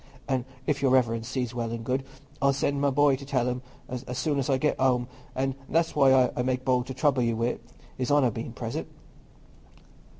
An' if Your Reverence sees well and good, I'll send my boy to tell 'em as soon as I get home; an' that's why I make bold to trouble you wi' it, His Honour being present."